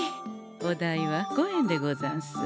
お代は５円でござんす。